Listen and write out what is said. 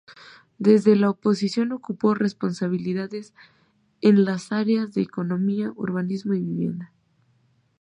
Desde la oposición ocupó responsabilidades en las áreas de Economía, Urbanismo y Vivienda.